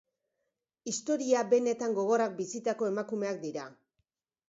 Historia benetan gogorrak bizitako emakumeak dira.